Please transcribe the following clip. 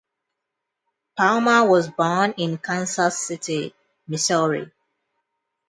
Palmer was born in Kansas City, Missouri.